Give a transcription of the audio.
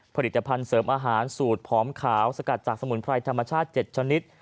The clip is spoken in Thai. ผลิตภัณฑ์เสริมอาหารสูตรผอมขาวสกัดจากสมุนไพรธรรมชาติ๗ชนิด